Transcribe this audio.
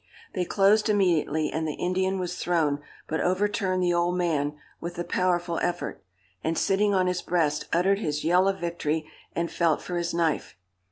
They closed immediately, and the Indian was thrown; but overturned the old man, with a powerful effort; and, sitting on his breast, uttered his yell of victory, and felt for his knife.